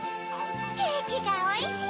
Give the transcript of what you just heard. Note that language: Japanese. ケキがおいしい！